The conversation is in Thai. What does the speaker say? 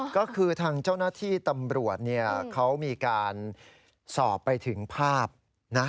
ก็คือทางเจ้าหน้าที่ตำรวจเนี่ยเขามีการสอบไปถึงภาพนะ